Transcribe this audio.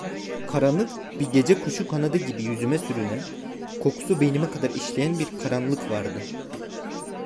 Karanlık, bir gecekuşu kanadı gibi yüzüme sürünen, kokusu beynime kadar işleyen bir karanlık vardı.